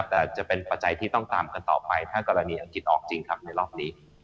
แต่จะเป็นปัจจัยที่ต้องตามกันต่อไปถ้ากรณีอังกฤษออกจริงครับในรอบนี้